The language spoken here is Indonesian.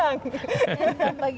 yang tambah g